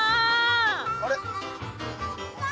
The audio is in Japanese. あれ？